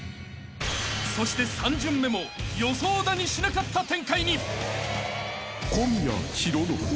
［そして３巡目も予想だにしなかった展開に］マジか？